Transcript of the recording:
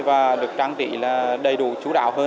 và được trang trí là đầy đủ chú đáo hơn